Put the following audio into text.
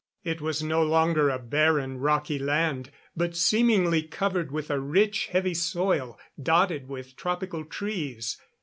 It was no longer a barren, rocky land, but seemingly covered with a rich heavy soil, dotted with tropical trees.